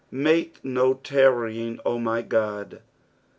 ^ Make no tarrying, 0 my God."